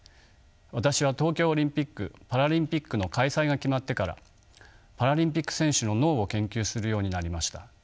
私は東京オリンピック・パラリンピックの開催が決まってからパラリンピック選手の脳を研究するようになりました。